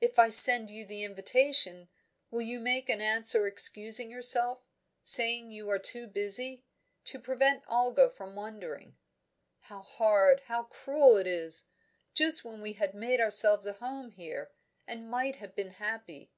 If I send you the invitation, will you make an answer excusing yourself saying you are too busy? To prevent Olga from wondering. How hard, how cruel it is! Just when we had made ourselves a home here, and might have been happy!"